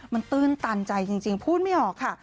มันตื้นตันใจจริงพูดไม่ออกค่ะ